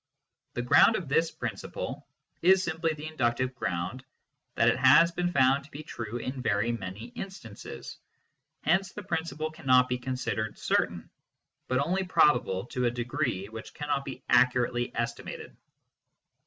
The ground of this principle is simply the inductive ground that it has been found to be true in very many instances ; hence the principle cannot be considered certain, but only probable to a degree which cannot be accurately estimated.